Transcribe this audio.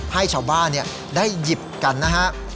ให้ชาวบ้านได้หยิบกันนะฮะ